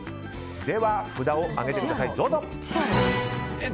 では札を上げてください。